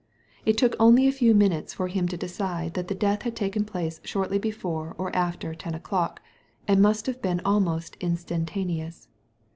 It took only a few minutes for him to decide that the death had taken place shortly before or after ten o'clock, and must have been almost instantaneous.